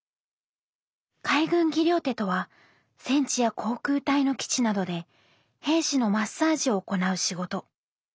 海軍技療手とは戦地や航空隊の基地などで兵士のマッサージを行う仕事。